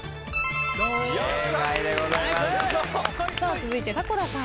続いて迫田さん。